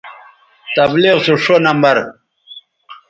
تبلیغ سو ݜو نمبر